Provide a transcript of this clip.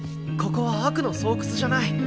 ここは悪の巣窟じゃない。